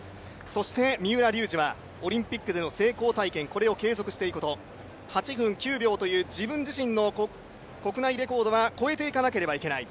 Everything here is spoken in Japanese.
そして三浦龍司はオリンピックでの成功体験、これを継続していくこと８分９秒という、自分自身の国内レコードは超えていかなければいけない。